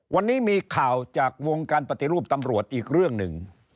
วันนี้มีข่าวจากวงการปฏิรูปตำรวจอีกเรื่องหนึ่ง